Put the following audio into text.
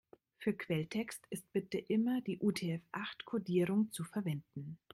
Für Quelltext ist bitte immer die UTF-acht-Kodierung zu verwenden.